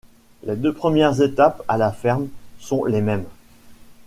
Les deux premières étapes à la ferme, sont les mêmes.